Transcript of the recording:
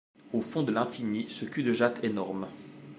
Au fond de l’infini, ce cul-de-jatte énorme.